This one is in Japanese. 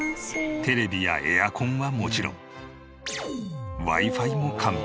テレビやエアコンはもちろんＷｉ−Ｆｉも完備。